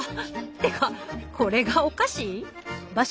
てかこれがお菓子？